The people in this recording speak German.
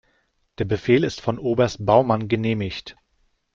Der Befehl ist von Oberst Baumann genehmigt.